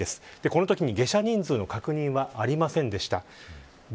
このとき、下車人数の確認はありませんでした。